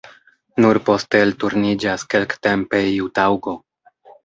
Nur poste elturniĝas kelktempe iu taŭgo.